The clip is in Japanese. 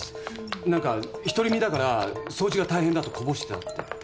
何か独り身だから掃除が大変だとこぼしてたって。